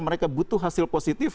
mereka butuh hasil positif